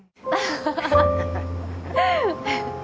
ハハハハ。